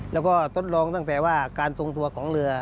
แล้วก็ทดลองตั้งแต่ว่าการทรงตัวของเรือ